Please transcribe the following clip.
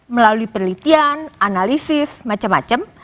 melalui penelitian analisis macam macam